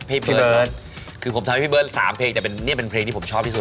พี่เบิร์ตคือผมทำให้พี่เบิร์ด๓เพลงแต่นี่เป็นเพลงที่ผมชอบที่สุด